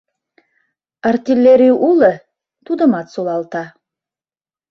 Артиллерий уло — тудымат солалта.